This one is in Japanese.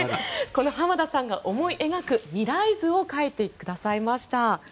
この濱田さんが思い描く未来図を描いてくださいました。